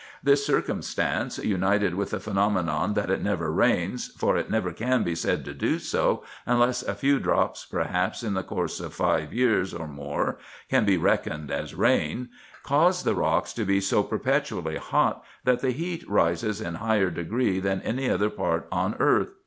Tliis circumstance, united with the phenomenon that it never rains, for it never can be said to do so, unless a few drops, perhaps, in the course of five years, or more, can be reckoned as rain, cause the rocks to be so perpetually hot, that the heat rises in higher degrees than any other part on earth.